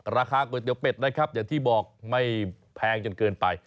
ราคาก๋วยเตี๋ยวเป็ดนะครับอย่างที่บอกไม่แพงจนเกินไป